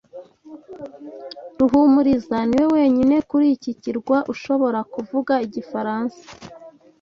Ruhumuriza niwe wenyine kuri iki kirwa ushobora kuvuga igifaransa.